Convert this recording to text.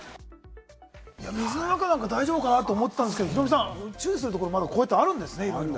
水の中なんか大丈夫かなと思ったんですが、ヒロミさん、注意したいところあるんですね。